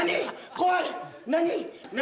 怖い何？